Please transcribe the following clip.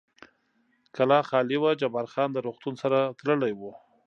کلا خالي وه، جبار خان د روغتون سره تللی و.